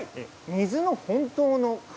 水の本当の形？